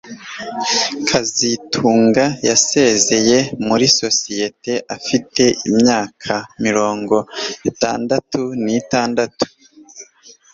kazitunga yasezeye muri sosiyete afite imyaka mirongo itandati nitandatu